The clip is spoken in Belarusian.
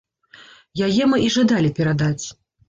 Яе мы і жадалі перадаць.